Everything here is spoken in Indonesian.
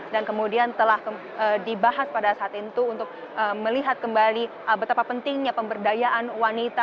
dan kemudian telah dibahas pada saat itu untuk melihat kembali betapa pentingnya pemberdayaan wanita